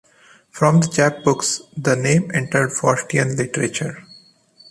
From the chapbooks, the name entered Faustian literature.